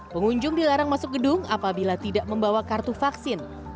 pengunjung dilarang masuk gedung apabila tidak membawa kartu vaksin